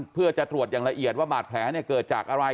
เพื่อจะตรวจอย่างละเอียดว่าบาดแผลเกิดจากอะไร